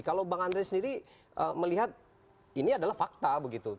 kalau bang andre sendiri melihat ini adalah fakta begitu